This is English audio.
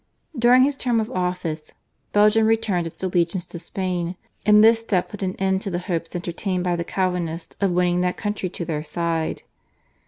During his term of office Belgium returned its allegiance to Spain, and this step put an end to the hopes entertained by the Calvinists of winning that country to their side.